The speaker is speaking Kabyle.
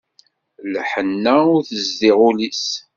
Lḥenna ur tezdiɣ ul-is.